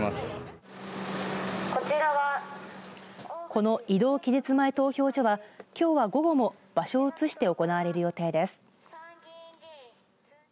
この移動期日前投票所はきょうは午後も場所を移して行われる予定です。